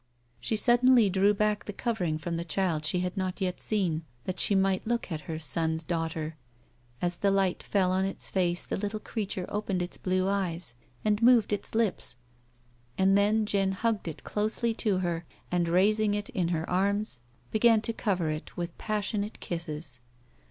She suddenly drew back the covering from the child she had not yet seen, that she might look at her son's daughter ; as the light fell on its face the little creature opened its blue eyes, and moved its lips, and then Jeanne hugged it closely to her, and, raising it in her arms, began to cover it with passionate kisses.